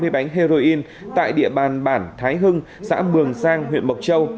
hai mươi bánh heroin tại địa bàn bản thái hưng xã mường giang huyện mộc châu